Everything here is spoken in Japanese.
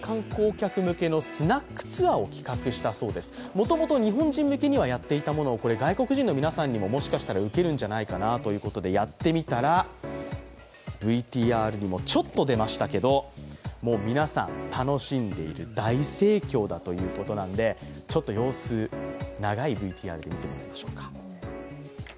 もともと日本人向けにはやっていたものを外国人の皆さんにももしかしたら受けるんじゃないかなということでやってみたら、ＶＴＲにもちょっと出ましたけど皆さん、楽しんでいる、大盛況だというので様子、長いＶＴＲで見てみましょうか。